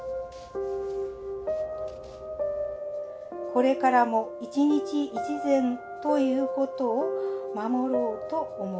「これからも一日一善ということを守ろうと思う」。